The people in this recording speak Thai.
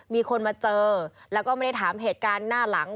มีคนมาเจอแล้วก็ไม่ได้ถามเหตุการณ์หน้าหลัง